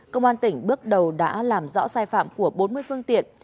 công an tỉnh bước đầu đã làm rõ sai phạm của bốn mươi phương tiện